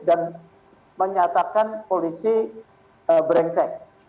dan menyatakan polisi berengsek